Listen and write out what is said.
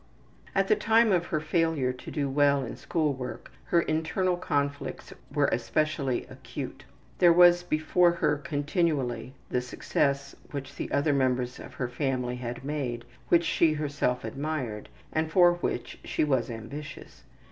At the time of her failure to do well in school work her internal conflicts were especially acute. There was before her continually the success which the other members of her family had made, which she herself admired, and for which she was ambitious.